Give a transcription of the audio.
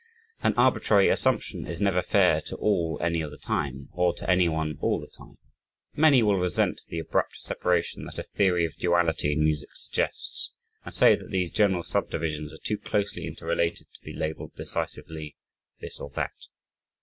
An arbitrary assumption is never fair to all any of the time, or to anyone all the time. Many will resent the abrupt separation that a theory of duality in music suggests and say that these general subdivisions are too closely inter related to be labeled decisively "this or that."